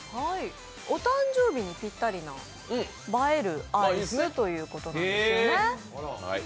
お誕生日にぴったりな映えるアイスということなんですよね。